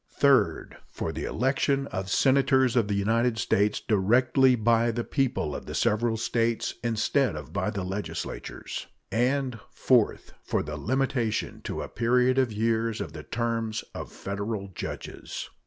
Third. For the election of Senators of the United States directly by the people of the several States, instead of by the legislatures; and Fourth. For the limitation to a period of years of the terms of Federal judges.